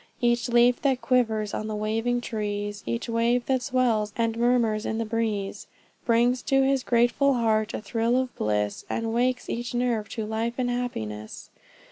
Each leaf that quivers on the waving trees, Each wave that swells and murmurs in the breeze, Brings to his grateful heart a thrill of bliss, And wakes each nerve to life and happiness.